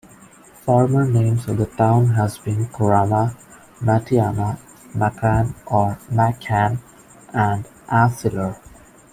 Former names of the town have been Korama, Matiana, Maccan or Machan, and Avcilar.